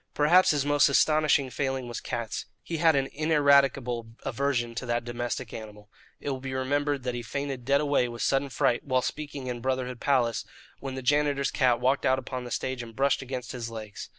Perhaps his most astonishing failing was cats. He had an ineradicable aversion to that domestic animal. It will be remembered that he fainted dead away with sudden fright, while speaking in Brotherhood Palace, when the janitor's cat walked out upon the stage and brushed against his legs.